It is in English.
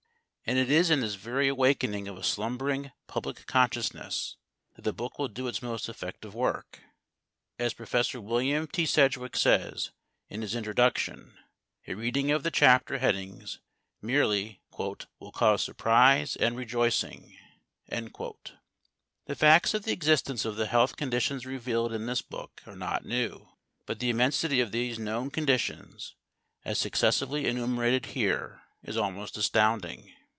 And it is in this very awakening of a slumbering public consciousness that the book will do its most effective work. As Prof. William T. Sedgwick says in his introduction, a reading of the chapter headings merely "will cause surprise and rejoicing." The facts of the existence of the health conditions revealed in this book are not new, but the immensity of these known conditions, as successively enumerated here, is almost astounding.